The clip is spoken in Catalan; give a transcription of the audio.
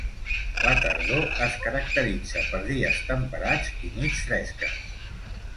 La tardor es caracteritza per dies temperats i nits fresques.